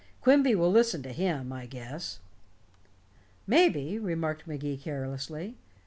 "Quimby will listen to him, I guess." "Maybe," remarked Magee carelessly.